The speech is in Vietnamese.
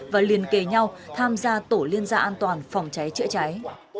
và liên kề nhau tham gia tổ liên gia an toàn phòng cháy trịa cháy